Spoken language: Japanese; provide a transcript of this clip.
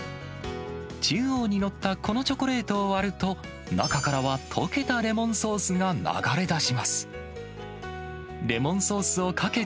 中央に載ったこのチョコレートを割ると、中からは溶けたレモンソースが流れ出します。